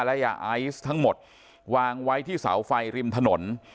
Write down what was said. และยาไอซ์ทั้งหมดวางไว้ที่เสาไฟริมถนน